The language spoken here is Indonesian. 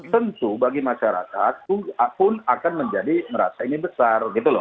tentu bagi masyarakat pun akan menjadi merasa ini besar gitu loh